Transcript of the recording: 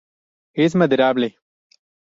Es maderable.